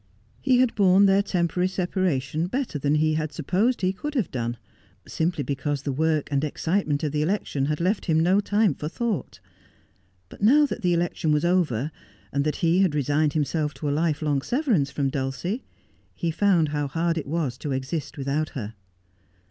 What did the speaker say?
He had borne their temporary separation better than he had supposed he could have done ; simply because the work and excitement of the election had left him no time for thought. But now that the election was over, and that he had resigned himself to a life long severance from Dulcie, he found how hard it was to exist without her.